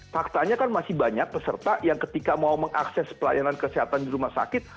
faktanya kan masih banyak peserta yang ketika mau mengakses pelayanan kesehatan di rumah sakit